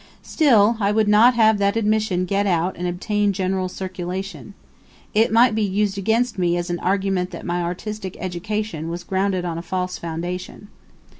Still, I would not have that admission get out and obtain general circulation. It might be used against me as an argument that my artistic education was grounded on a false foundation.